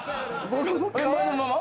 前のまま？